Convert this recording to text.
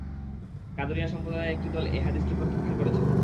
কাদরিয়া সম্প্রদায়ের একটি দল এ হাদীসটি প্রত্যাখ্যান করেছেন।